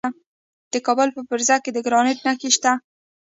د کابل په فرزه کې د ګرانیټ نښې شته.